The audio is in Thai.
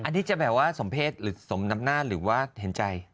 อันนี้จะแบบว่าสมเพศหรือสมน้ำหน้าหรือว่าเห็นใจ